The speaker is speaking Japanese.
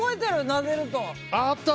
なでると。